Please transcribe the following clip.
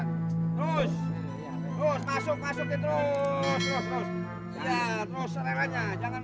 terus terus masuk masuknya terus terus terus serangannya jangan